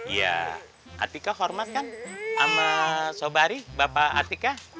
iya atika hormat kan sama sobari bapak atika